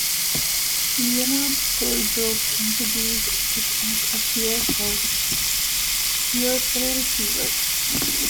Leonard Colebrook introduced it as a cure for puerperal fever.